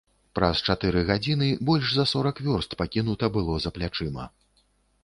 Праз чатыры гадзіны больш за сорак вёрст пакінута было за плячыма.